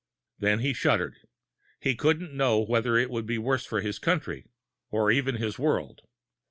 Then he shuddered. He couldn't know whether it would be worse for his country, or even his world.